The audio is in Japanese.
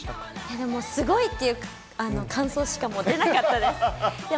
でも、すごいっていう感想しかもう出なかったです。